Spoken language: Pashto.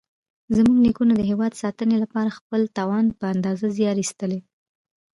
زموږ نیکونو د هېواد ساتنې لپاره خپل توان په اندازه زیار ایستلی.